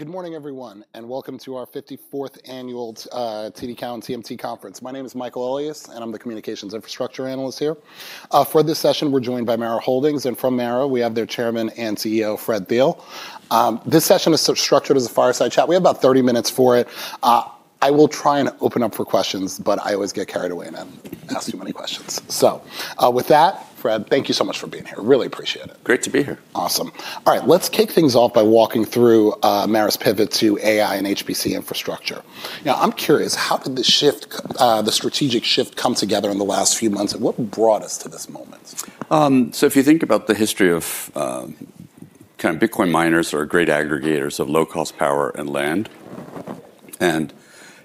Good morning, everyone, welcome to our 54th Annual TD Cowen CMT Conference. My name is Michael Elias, and I'm the Communications Infrastructure Analyst here. For this session, we're joined by MARA Holdings, and from MARA, we have their Chairman and Chief Executive Officer, Fred Thiel. This session is structured as a fireside chat. We have about 30 minutes for it. I will try and open up for questions, but I always get carried away and I ask too many questions. With that, Fred, thank you so much for being here. Really appreciate it. Great to be here. Awesome. All right. Let's kick things off by walking through MARA's pivot to AI and HPC infrastructure. I'm curious, how did the strategic shift come together in the last few months, and what brought us to this moment? If you think about the history of kind of Bitcoin miners or great aggregators of low-cost power and land,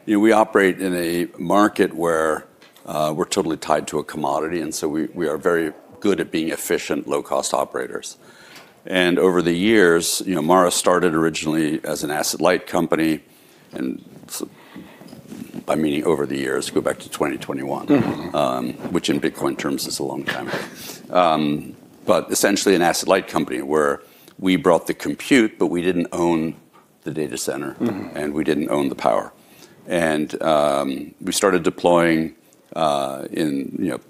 we operate in a market where we're totally tied to a commodity, we are very good at being efficient low-cost operators. Over the years, MARA started originally as an asset-light company and by meaning over the years, go back to 2021, which in Bitcoin terms is a long time. Essentially an asset-light company where we brought the compute, but we didn't own the data center. We didn't own the power. We started deploying in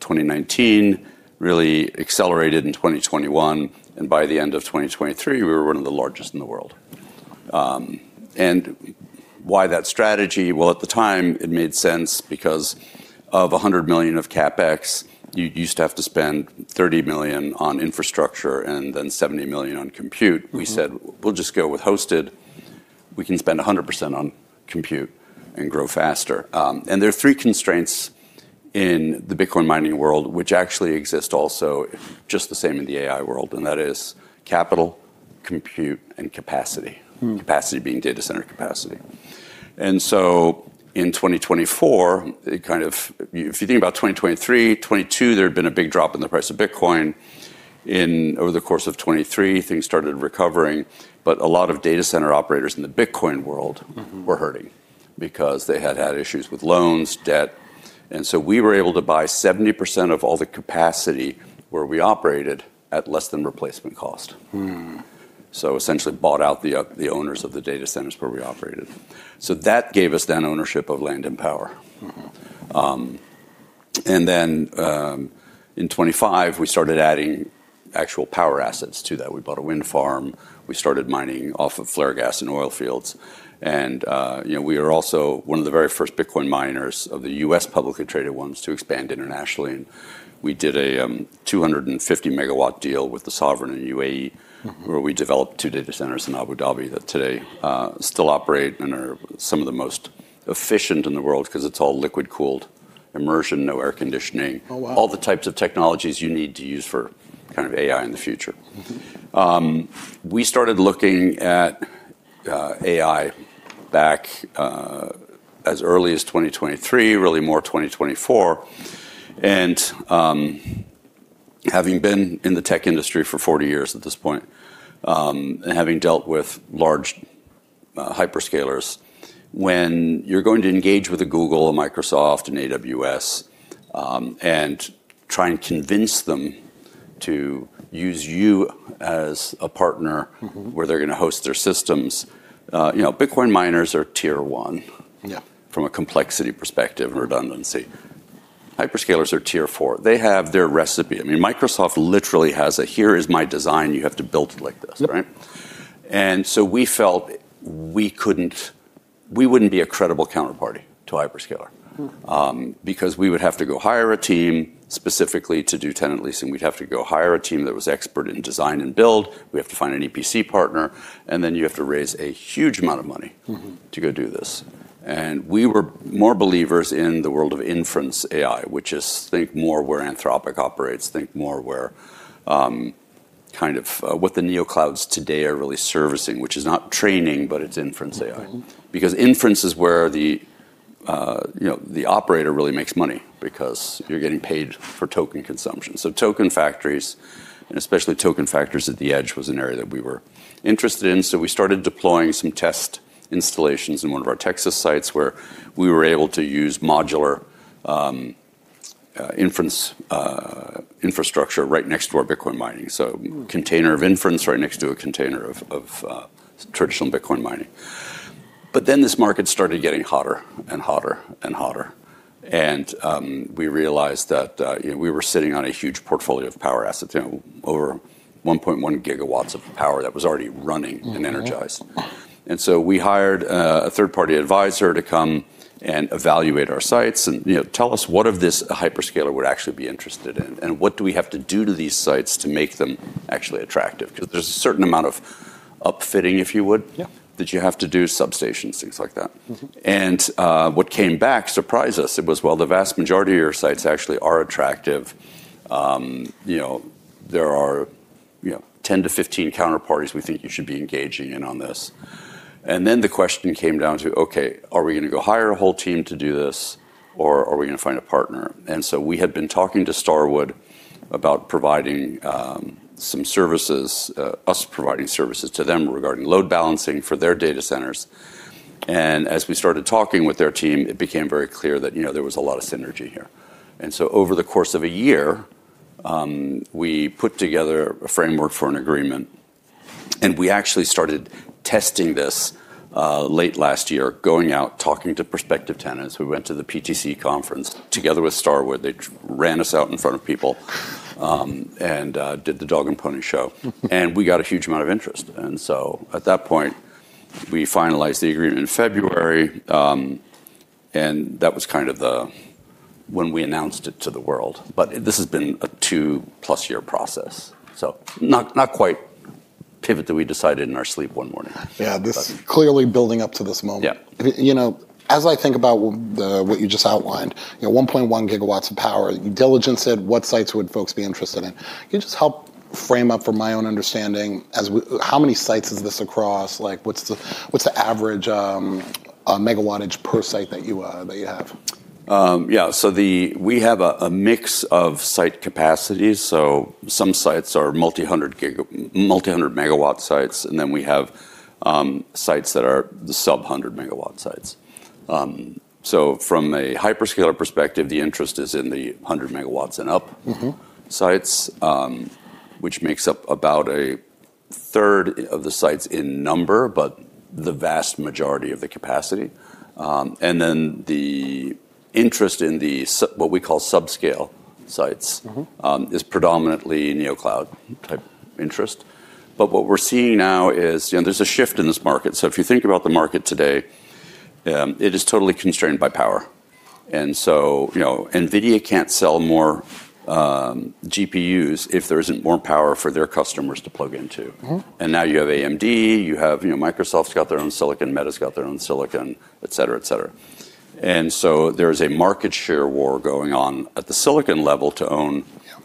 2019, really accelerated in 2021, and by the end of 2023, we were one of the largest in the world. Why that strategy? Well, at the time it made sense because of $100 million of CapEx, you used to have to spend $30 million on infrastructure and then $70 million on compute. We said, we'll just go with hosted. We can spend 100% on compute and grow faster. There are three constraints in the Bitcoin mining world which actually exist also just the same in the AI world, and that is capital, compute, and capacity. Capacity being data center capacity. In 2024, if you think about 2023, 2022, there had been a big drop in the price of Bitcoin. Over the course of 2023, things started recovering, a lot of data center operators in the Bitcoin world were hurting because they had had issues with loans, debt, and so we were able to buy 70% of all the capacity where we operated at less than replacement cost. Essentially bought out the owners of the data centers where we operated. That gave us then ownership of land and power. Then, in 2025, we started adding actual power assets to that. We bought a wind farm. We started mining off of flare gas and oil fields. We are also one of the very first Bitcoin miners of the U.S. publicly traded ones to expand internationally. We did a 250-MW deal with the sovereign in UAE where we developed two data centers in Abu Dhabi that today still operate and are some of the most efficient in the world because it's all liquid-cooled immersion, no air conditioning. Oh, wow. All the types of technologies you need to use for AI in the future. We started looking at AI back as early as 2023, really more 2024. having been in the tech industry for 40 years at this point, and having dealt with large hyperscalers, when you're going to engage with a Google, a Microsoft, an AWS, and try and convince them to use you as a partner where they're going to host their systems, Bitcoin miners are Tier 1. Yeah From a complexity perspective and redundancy. Hyperscalers are Tier 4. They have their recipe. Microsoft literally has a, here is my design. You have to build it like this. Yep. We felt we wouldn't be a credible counterparty to a hyperscaler because we would have to go hire a team specifically to do tenant leasing. We'd have to go hire a team that was expert in design and build. We have to find an EPC partner, and then you have to raise a huge amount of money to go do this. We were more believers in the world of inference AI, which is think more where Anthropic operates, think more where what the neoclouds today are really servicing, which is not training, but it's inference AI. Because inference is where the operator really makes money because you're getting paid for token consumption. Token factories, and especially token factories at the edge, was an area that we were interested in. We started deploying some test installations in one of our Texas sites where we were able to use modular inference infrastructure right next to our Bitcoin mining. Container of inference right next to a container of traditional Bitcoin mining. This market started getting hotter and hotter and hotter. We realized that we were sitting on a huge portfolio of power assets, over 1.1 GW of power that was already running and energized. We hired a third-party advisor to come and evaluate our sites and tell us what of this a hyperscaler would actually be interested in, and what do we have to do to these sites to make them actually attractive. Because there's a certain amount of upfitting, if you would that you have to do, substations, things like that. What came back surprised us. It was, well, the vast majority of your sites actually are attractive. There are 10 counterparties to 15 counterparties we think you should be engaging in on this. Then the question came down to, okay, are we going to go hire a whole team to do this or are we going to find a partner? So we had been talking to Starwood about us providing services to them regarding load balancing for their data centers. As we started talking with their team, it became very clear that there was a lot of synergy here. So over the course of a year, we put together a framework for an agreement, and we actually started testing this late last year, going out, talking to prospective tenants. We went to the PTC conference together with Starwood. They ran us out in front of people and did the dog and pony show, and we got a huge amount of interest. At that point, we finalized the agreement in February, and that was when we announced it to the world. This has been a 2+ year process, so not quite a pivot that we decided in our sleep one morning. Yeah. This clearly building up to this moment. Yeah. As I think about what you just outlined, 1.1 GW of power, you diligence it, what sites would folks be interested in? Can you just help frame up for my own understanding, how many sites is this across? What's the average megawattage per site that you have? Yeah. We have a mix of site capacities. Some sites are multi-hundred megawatt sites, and then we have sites that are the sub-100-MW sites. From a hyperscaler perspective, the interest is in the 100 MW and up sites, which makes up about a third of the sites in number, but the vast majority of the capacity. The interest in what we call subscale sites is predominantly neocloud-type interest. What we're seeing now is there's a shift in this market. If you think about the market today, it is totally constrained by power. NVIDIA can't sell more GPUs if there isn't more power for their customers to plug into. Now you have AMD, Microsoft's got their own silicon, Meta's got their own silicon, et cetera. There is a market share war going on at the silicon level to own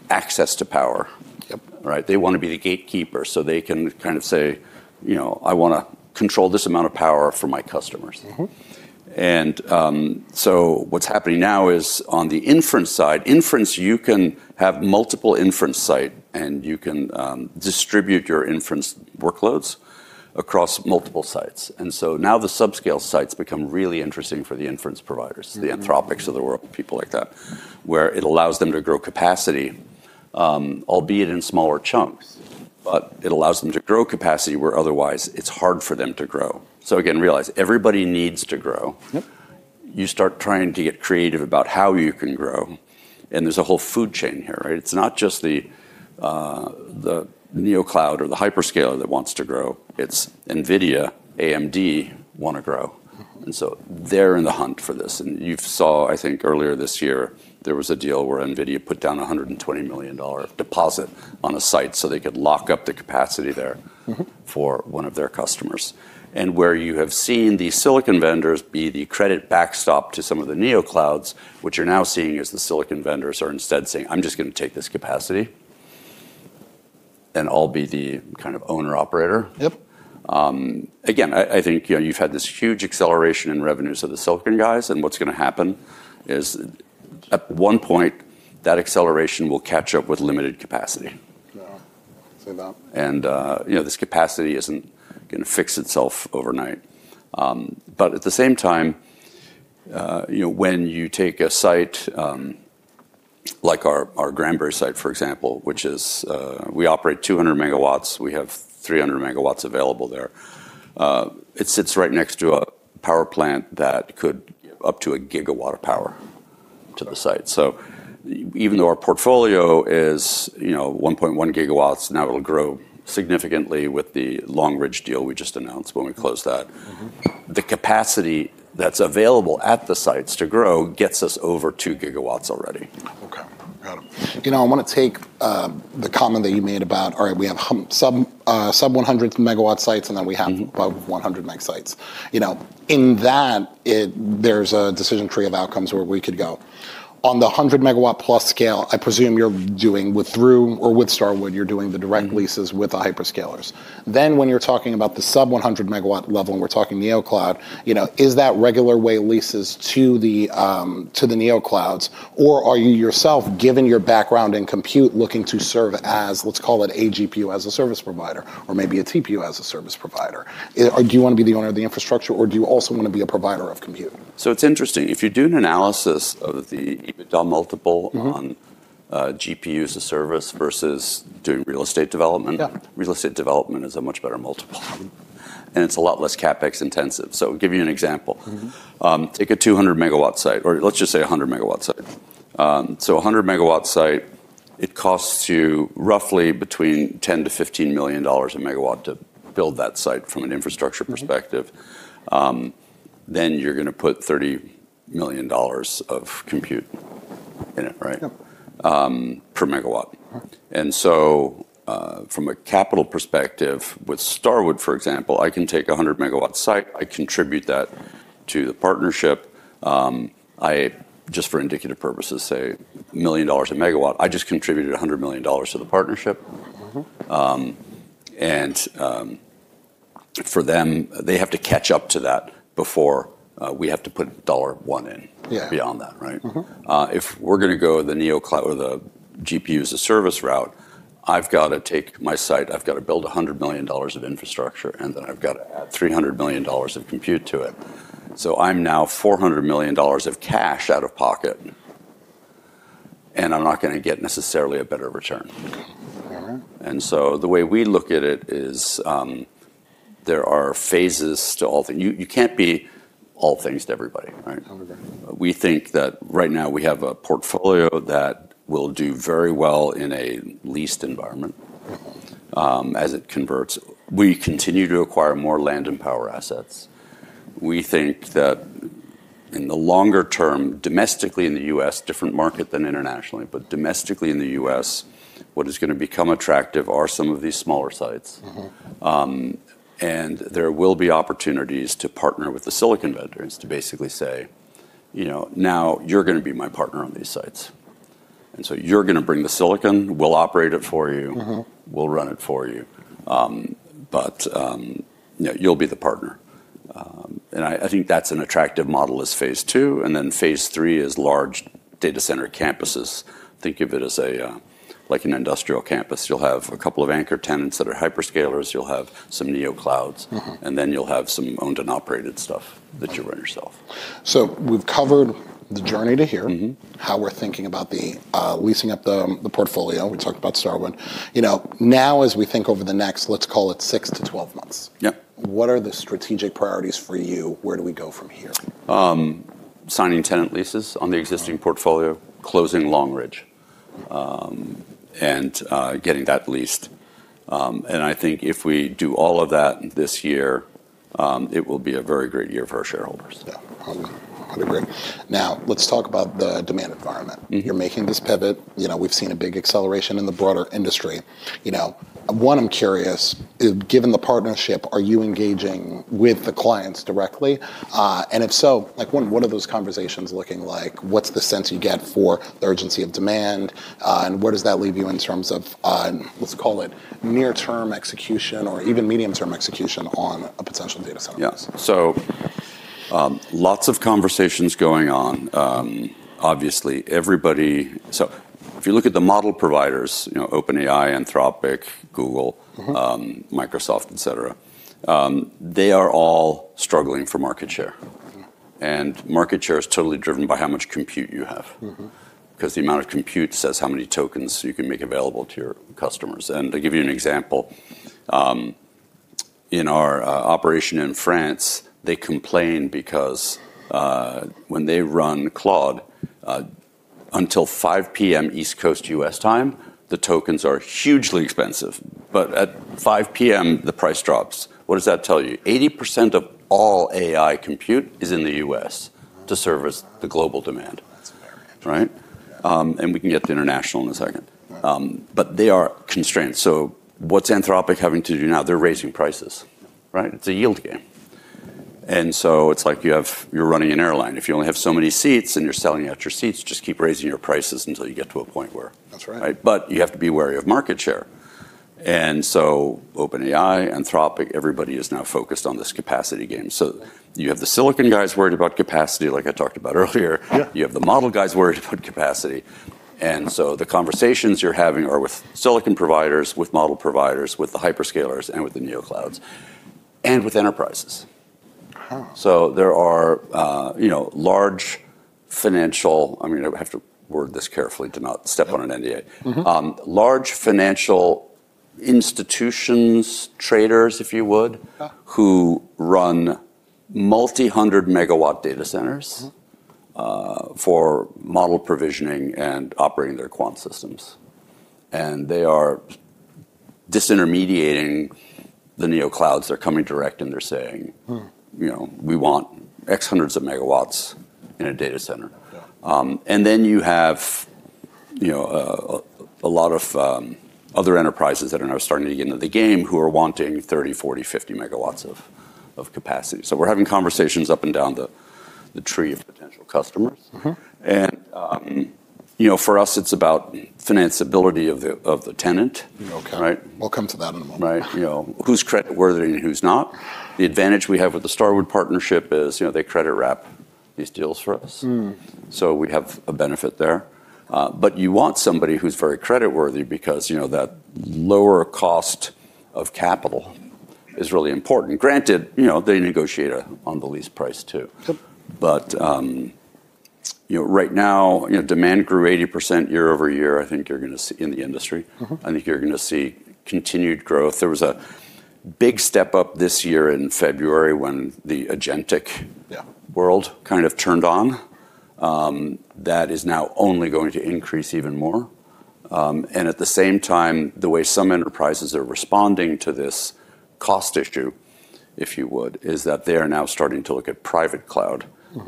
access to power. Yep. They want to be the gatekeeper so they can say, I want to control this amount of power for my customers. What's happening now is on the inference side, inference, you can have multiple inference sites, and you can distribute your inference workloads across multiple sites. Now the subscale sites become really interesting for the inference providers, the Anthropic of the world, people like that, where it allows them to grow capacity, albeit in smaller chunks. It allows them to grow capacity where otherwise it's hard for them to grow. Again, realize everybody needs to grow. Yep. You start trying to get creative about how you can grow, and there's a whole food chain here. It's not just the neocloud or the hyperscaler that wants to grow, it's NVIDIA, AMD want to grow. They're in the hunt for this. You saw, I think earlier this year, there was a deal where NVIDIA put down a $120 million deposit on a site so they could lock up the capacity there for one of their customers. Where you have seen the silicon vendors be the credit backstop to some of the neoclouds, what you're now seeing is the silicon vendors are instead saying, I'm just going to take this capacity, and I'll be the owner/operator. Yep. I think you've had this huge acceleration in revenues of the silicon guys, and what's going to happen is at one point, that acceleration will catch up with limited capacity. Yeah. Say that. This capacity isn't going to fix itself overnight. At the same time, when you take a site, like our Granbury site, for example, which is we operate 200 MW. We have 300 MW available there. It sits right next to a power plant that could up to a gigawatt of power to the site. Even though our portfolio is 1.1 GW now, it'll grow significantly with the Long Ridge deal we just announced when we close that. The capacity that's available at the sites to grow gets us over 2 GW already. Okay. Got it. I want to take the comment that you made about, all right, we have sub-100 MW sites, and then we have above 100 MW sites. There's a decision tree of outcomes where we could go. On the 100 MW plus scale, I presume you're doing with Room or with Starwood, you're doing the direct leases with the hyperscalers. When you're talking about the sub-100 MW level, we're talking neocloud, is that regular way leases to the neoclouds, or are you yourself, given your background in compute, looking to serve as, let's call it a GPU-as-a-service provider or maybe a TPU-as-a-service provider? Do you want to be the owner of the infrastructure, or do you also want to be a provider of compute? It's interesting. If you do an analysis of the EBITDA multiple on GPU-as-a-service versus doing real estate development. Yeah Real estate development is a much better multiple, and it's a lot less CapEx intensive. Give you an example. Take a 200 MW site, or let's just say 100 MW site. 100 MW site, it costs you roughly between $10 million-$15 million a megawatt to build that site from an infrastructure perspective. You're going to put $30 million of compute in it, right? Yep. Per megawatt. Right. From a capital perspective, with Starwood, for example, I can take 100 MW site. I contribute that to the partnership. I, just for indicative purposes, say $1 million a megawatt. I just contributed $100 million to the partnership. For them, they have to catch up to that before we have to put dollar one in. Yeah Beyond that, right? If we're going to go the neocloud with GPU-as-a-service route, I've got to take my site, I've got to build $100 million of infrastructure, and then I've got to add $300 million of compute to it. I'm now $400 million of cash out of pocket, and I'm not going to get necessarily a better return. The way we look at it is, there are phases to all things. You can't be all things to everybody, right? Oh, yeah. We think that right now we have a portfolio that will do very well in a leased environment. As it converts, we continue to acquire more land and power assets. We think that in the longer term, domestically in the U.S., different market than internationally, but domestically in the U.S., what is going to become attractive are some of these smaller sites. There will be opportunities to partner with the silicon vendors to basically say, now you're going to be my partner on these sites. You're going to bring the silicon, we'll operate it for you. We'll run it for you. But you'll be the partner. I think that's an attractive model as phase 2, then phase 3 is large data center campuses. Think of it as like an industrial campus. You'll have a couple of anchor tenants that are hyperscalers, you'll have some neoclouds. You'll have some owned and operated stuff that you run yourself. We've covered the journey to here. How we're thinking about the leasing up the portfolio. We talked about Starwood. Now, as we think over the next, let's call it six to 12 months. Yep. What are the strategic priorities for you? Where do we go from here? Signing tenant leases on the existing portfolio, closing Long Ridge, and getting that leased. I think if we do all of that this year, it will be a very great year for our shareholders. Yeah. Great. Let's talk about the demand environment. You're making this pivot, we've seen a big acceleration in the broader industry. One, I'm curious, given the partnership, are you engaging with the clients directly? If so, what are those conversations looking like? What's the sense you get for the urgency of demand? Where does that leave you in terms of, let's call it near term execution or even medium term execution on potential data centers? Yeah. lots of conversations going on. Obviously, if you look at the model providers, OpenAI, Anthropic, Google, Microsoft, et cetera, they are all struggling for market share. Market share is totally driven by how much compute you have. The amount of compute says how many tokens you can make available to your customers. To give you an example, in our operation in France, they complain because, when they run Claude, until 5:00 P.M. East Coast U.S. time, the tokens are hugely expensive. At 5:00 P.M., the price drops. What does that tell you? 80% of all AI compute is in the U.S. to service the global demand. That's very interesting. Right? We can get to international in a second. Right. They are constrained. What's Anthropic having to do now? They're raising prices, right? It's a yield game. It's like you're running an airline. If you only have so many seats and you're selling out your seats, just keep raising your prices until you get to a point. That's right. Right. You have to be wary of market share. OpenAI, Anthropic, everybody is now focused on this capacity game. You have the silicon guys worried about capacity, like I talked about earlier. Yeah. You have the model guys worried about capacity. The conversations you're having are with silicon providers, with model providers, with the hyperscalers, with the neoclouds, and with enterprises. Oh. There are large financial, I have to word this carefully to not step on an NDA. Large financial institutions, traders, if you would, who run multi-hundred megawatt data centers for model provisioning and operating their quant systems. They are disintermediating the neoclouds. They're coming direct, and they're saying. We want X hundreds of megawatt in a data center. Yeah. You have a lot of other enterprises that are now starting to get into the game, who are wanting 30 MW, 40 MW, 50 MW of capacity. We're having conversations up and down the tree of potential customers. For us, it's about financeability of the tenant. Okay. Right? We'll come to that in a moment. Right. Who's creditworthy and who's not. The advantage we have with the Starwood partnership is they credit wrap these deals for us. We have a benefit there. You want somebody who's very creditworthy because that lower cost of capital is really important. Granted, they negotiate on the lease price, too. Yep. Right now, demand grew 80% year-over-year, I think you're going to see in the industry. I think you're going to see continued growth. There was a big step up this year in February when the agentic world kind of turned on. That is now only going to increase even more. At the same time, the way some enterprises are responding to this cost issue, if you would, is that they are now starting to look at private cloud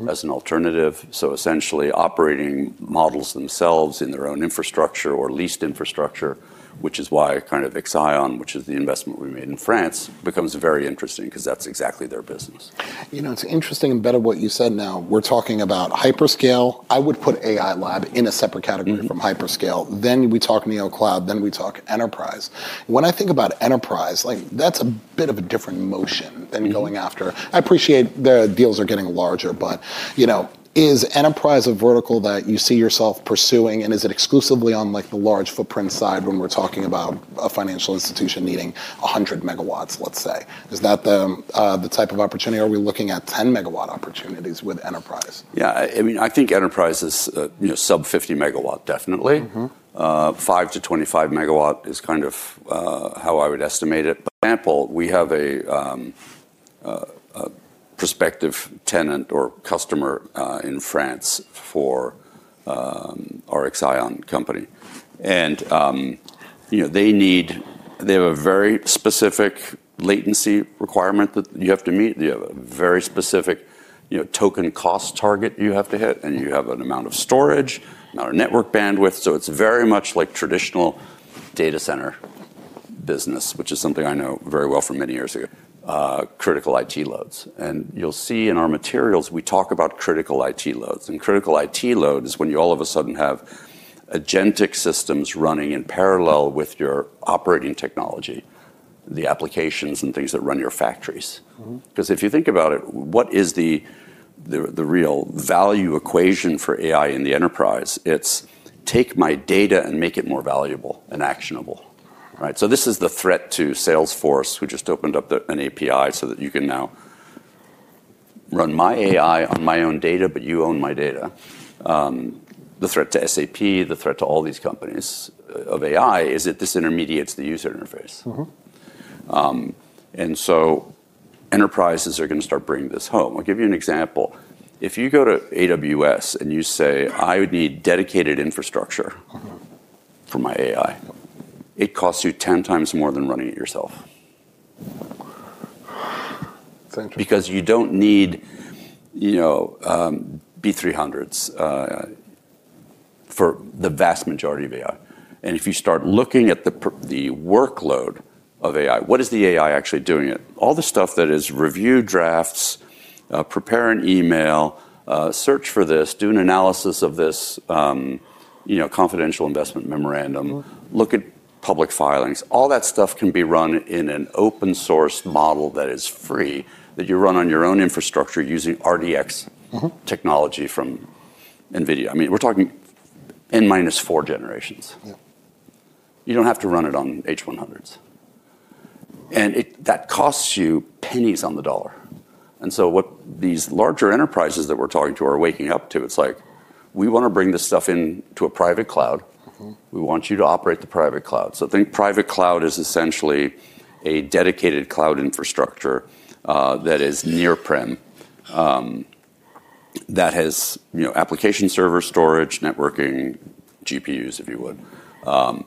as an alternative. Essentially operating models themselves in their own infrastructure or leased infrastructure, which is why Exaion, which is the investment we made in France, becomes very interesting because that's exactly their business. It's interesting and better what you said now, we're talking about hyperscale. I would put AI lab in a separate category from hyperscale. We talk neocloud, then we talk enterprise. When I think about enterprise, that's a bit of a different motion than going after. I appreciate the deals are getting larger. Is enterprise a vertical that you see yourself pursuing, and is it exclusively on the large footprint side when we're talking about a financial institution needing 100 MW, let's say? Is that the type of opportunity? Are we looking at 10-MW opportunities with enterprise? Yeah. I think enterprise is sub 50 MW, definitely. 5 MW to 25 MW is how I would estimate it. For example, we have a prospective tenant or customer in France for our Exaion company. They have a very specific latency requirement that you have to meet. You have a very specific token cost target you have to hit, and you have an amount of storage, amount of network bandwidth. It's very much like traditional data center business, which is something I know very well from many years ago, critical IT loads. You'll see in our materials, we talk about critical IT loads. Critical IT load is when you all of a sudden have agentic systems running in parallel with your operating technology, the applications and things that run your factories. If you think about it, what is the real value equation for AI in the enterprise? It's take my data and make it more valuable and actionable, right? This is the threat to Salesforce, who just opened up an API so that you can now run my AI on my own data, but you own my data. The threat to SAP, the threat to all these companies of AI is it disintermediates the user interface. Enterprises are going to start bringing this home. I'll give you an example. If you go to AWS and you say, I would need dedicated infrastructure for my AI, it costs you 10x more than running it yourself. That's interesting. You don't need B200s for the vast majority of AI. If you start looking at the workload of AI, what is the AI actually doing? All the stuff that is review drafts, prepare an email, search for this, do an analysis of this confidential investment memorandum. Look at public filings, all that stuff can be run in an open source model that is free, that you run on your own infrastructure using RTX technology from NVIDIA. We're talking N- four generations. Yeah. You don't have to run it on H100. That costs you pennies on the dollar. What these larger enterprises that we're talking to are waking up to, it's like, we want to bring this stuff into a private cloud. We want you to operate the private cloud. Think private cloud is essentially a dedicated cloud infrastructure that is near-prem, that has application server storage, networking, GPUs, if you would,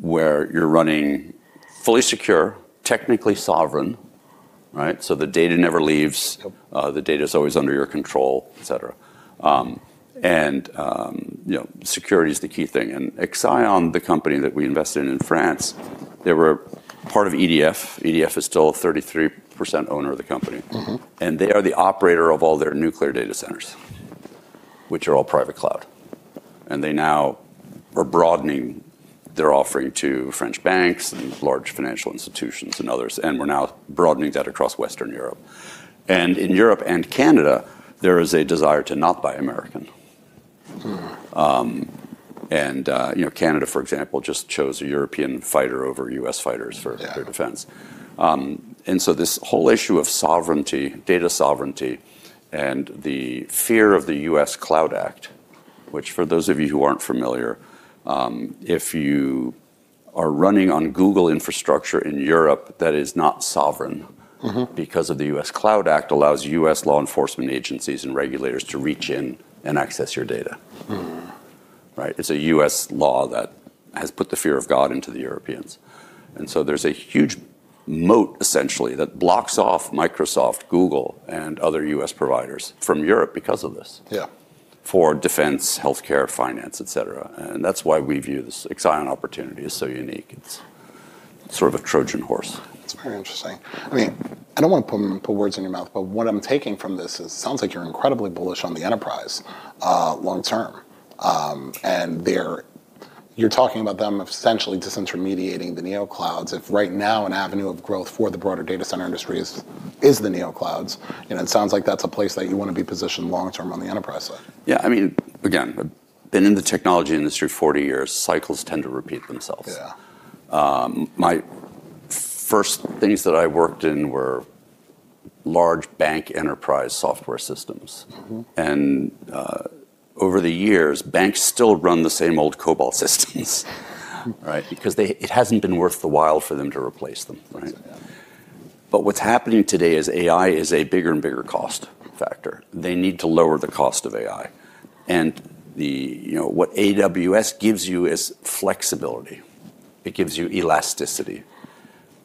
where you're running fully secure, technically sovereign, right? The data never leaves. Yep The data's always under your control, et cetera. Security's the key thing. Exaion, the company that we invested in in France, they were part of EDF. EDF is still a 33% owner of the company. They are the operator of all their nuclear data centers, which are all private cloud. They now are broadening their offering to French banks and large financial institutions and others. We're now broadening that across Western Europe. In Europe and Canada, there is a desire to not buy American. Canada, for example, just chose a European fighter over U.S. fighters for their defense. This whole issue of sovereignty, data sovereignty, and the fear of the U.S. CLOUD Act, which for those of you who aren't familiar, if you are running on Google infrastructure in Europe, that is not sovereign, because of the CLOUD Act allows U.S. law enforcement agencies and regulators to reach in and access your data. Right? It's a U.S. law that has put the fear of God into the Europeans. There's a huge moat, essentially, that blocks off Microsoft, Google, and other U.S. providers from Europe because of this. Yeah For defense, healthcare, finance, et cetera. That's why we view this Exaion opportunity as so unique. It's sort of a Trojan horse. That's very interesting. I don't want to put words in your mouth, what I'm taking from this is it sounds like you're incredibly bullish on the enterprise long term. You're talking about them essentially disintermediating the neoclouds. If right now an avenue of growth for the broader data center industry is the neoclouds, it sounds like that's a place that you want to be positioned long term on the enterprise side. Yeah. Again, been in the technology industry 40 years, cycles tend to repeat themselves. Yeah. My first things that I worked in were large bank enterprise software systems. Over the years, banks still run the same old COBOL systems because it hasn't been worth the while for them to replace them, right? Yeah. What's happening today is AI is a bigger and bigger cost factor. They need to lower the cost of AI. What AWS gives you is flexibility. It gives you elasticity,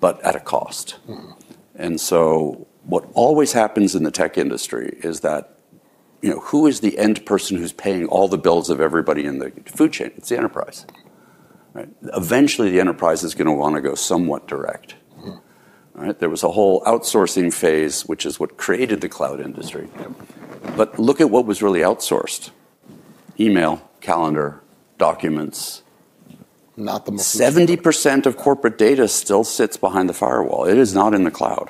but at a cost. What always happens in the tech industry is that who is the end person who's paying all the bills of everybody in the food chain? It's the enterprise, right? Eventually, the enterprise is going to want to go somewhat direct. Right? There was a whole outsourcing phase, which is what created the cloud industry. Yeah. Look at what was really outsourced, email, calendar, documents. Not the most- 70% of corporate data still sits behind the firewall. It is not in the cloud.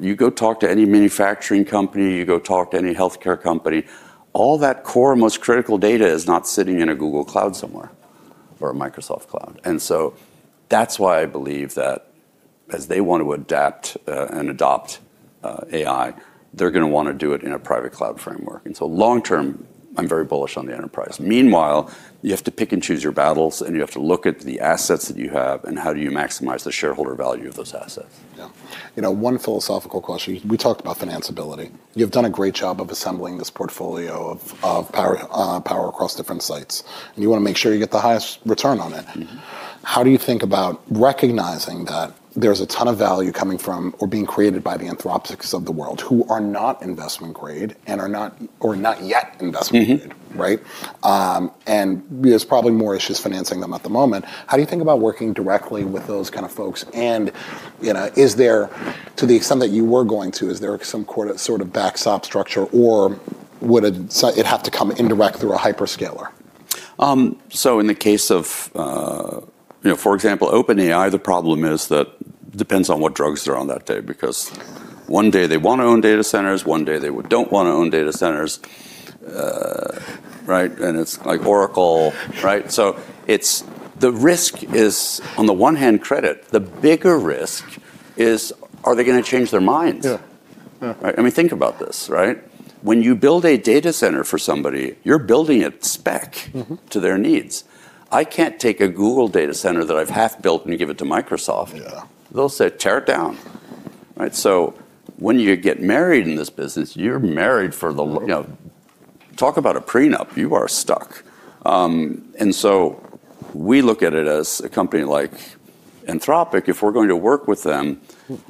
You go talk to any manufacturing company, you go talk to any healthcare company, all that core, most critical data is not sitting in a Google cloud somewhere, or a Microsoft cloud. That's why I believe that as they want to adapt and adopt AI, they're going to want to do it in a private cloud framework. Long term, I'm very bullish on the enterprise. Meanwhile, you have to pick and choose your battles, and you have to look at the assets that you have and how do you maximize the shareholder value of those assets. Yeah. One philosophical question. We talked about financeability. You've done a great job of assembling this portfolio of power across different sites, and you want to make sure you get the highest return on it. How do you think about recognizing that there's a ton of value coming from or being created by the Anthropics of the world who are not investment grade and are not, or not yet investment grade? Right? There's probably more issues financing them at the moment. How do you think about working directly with those kind of folks? Is there, to the extent that you were going to, is there some sort of backstop structure, or would it have to come indirect through a hyperscaler? In the case of, for example, OpenAI, the problem is that it depends on what drugs they're on that day, because one day they want to own data centers, one day they don't want to own data centers. Right? It's like Oracle, right? The risk is, on the one hand, credit. The bigger risk is, are they going to change their minds? Yeah. I mean, think about this, right? When you build a data center for somebody, you're building it to their needs. I can't take a Google data center that I've half built and give it to Microsoft. Yeah. They'll say, tear it down. Right? When you get married in this business, Talk about a prenup. You are stuck. We look at it as a company like Anthropic, if we're going to work with them,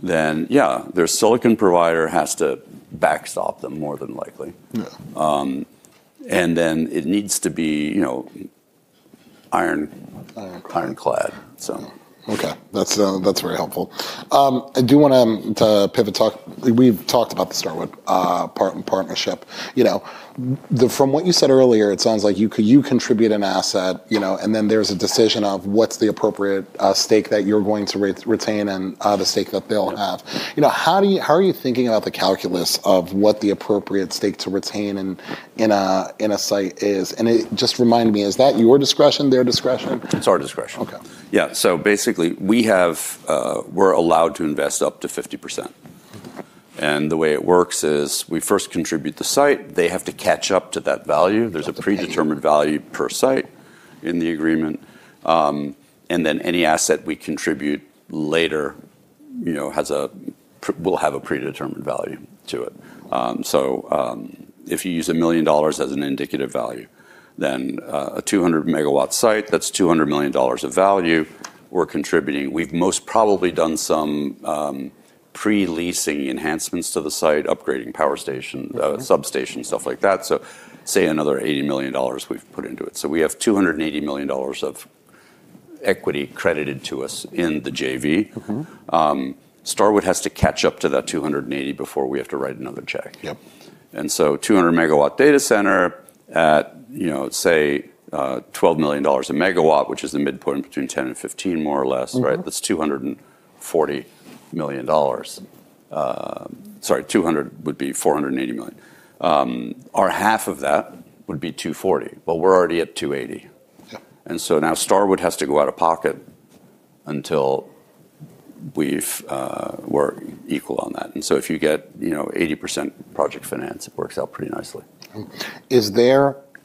then yeah, their silicon provider has to backstop them more than likely. Yeah. It needs to be iron- Ironclad Clad. Okay. That's very helpful. I do want to pivot talk. We've talked about the Starwood partnership. From what you said earlier, it sounds like you contribute an asset, and then there's a decision of what's the appropriate stake that you're going to retain and the stake that they'll have. How are you thinking about the calculus of what the appropriate stake to retain in a site is? It just reminded me, is that your discretion, their discretion? It's our discretion. Okay. Basically, we're allowed to invest up to 50%. The way it works is we first contribute the site. They have to catch up to that value. There's a predetermined value per site in the agreement. Any asset we contribute later will have a predetermined value to it. If you use $1 million as an indicative value, then a 200 MW site, that's $200 million of value we're contributing. We've most probably done some pre-leasing enhancements to the site, upgrading power station, substation, stuff like that. Say another $80 million we've put into it. We have $280 million of equity credited to us in the JV. Starwood has to catch up to that $280 before we have to write another check. Yep. 200 MW data center at, say, $12 million a megawatt, which is the midpoint between $10 million and $15 million, more or less, right? That's $240 million. Sorry, $200 would be $480 million. Half of that would be $240, but we're already at $280. Yeah. Now Starwood has to go out of pocket until we're equal on that. If you get 80% project finance, it works out pretty nicely.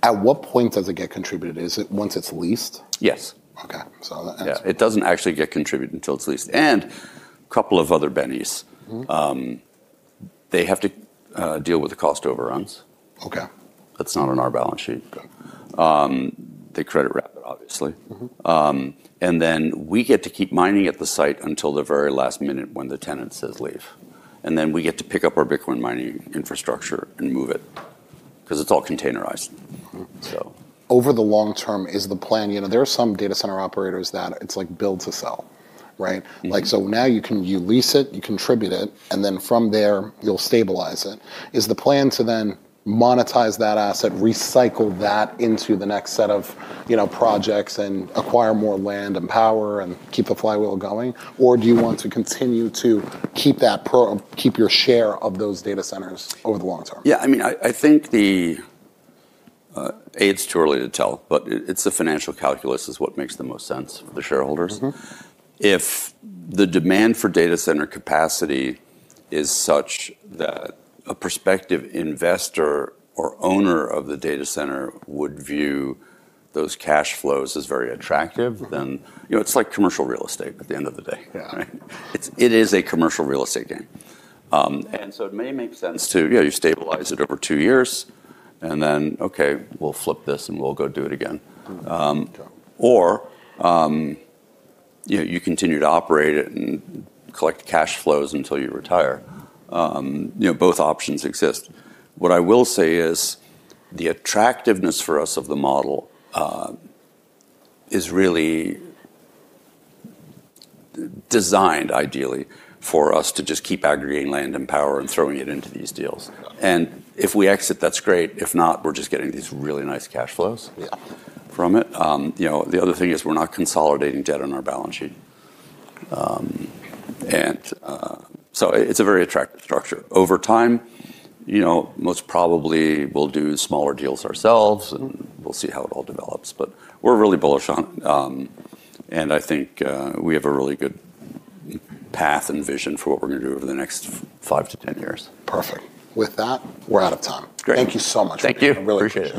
At what point does it get contributed? Is it once it's leased? Yes. Okay. That answers it. Yeah, it doesn't actually get contributed until it's leased. A couple of other bennies. They have to deal with the cost overruns. Okay. That's not on our balance sheet. Okay. They credit wrap it, obviously. We get to keep mining at the site until the very last minute when the tenant says leave, and then we get to pick up our Bitcoin mining infrastructure and move it because it's all containerized. Over the long term, there are some data center operators that it's like build to sell, right? Now you lease it, you contribute it, and then from there you'll stabilize it. Is the plan to then monetize that asset, recycle that into the next set of projects and acquire more land and power and keep the flywheel going? Or do you want to continue to keep your share of those data centers over the long term? Yeah, I think A, it's too early to tell, but it's the financial calculus is what makes the most sense for the shareholders. If the demand for data center capacity is such that a prospective investor or owner of the data center would view those cash flows as very attractive, then it's like commercial real estate at the end of the day. Yeah. Right? It is a commercial real estate game. It may make sense to stabilize it over two years and then, okay, we'll flip this and we'll go do it again. Okay. You continue to operate it and collect cash flows until you retire. Both options exist. What I will say is the attractiveness for us of the model is really designed ideally for us to just keep aggregating land and power and throwing it into these deals. Okay. If we exit, that's great. If not, we're just getting these really nice cash flows from it. The other thing is we're not consolidating debt on our balance sheet. It's a very attractive structure. Over time, most probably we'll do smaller deals ourselves and we'll see how it all develops. We're really bullish on it, and I think we have a really good path and vision for what we're going to do over the next 5 to 10 years. Perfect. With that, we're out of time. Great. Thank you so much. Thank you. I really appreciate it.